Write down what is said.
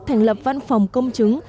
thành lập văn phòng công chứng